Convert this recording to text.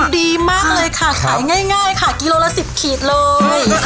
ดีมากเลยค่ะขายง่ายค่ะกิโลละ๑๐ขีดเลย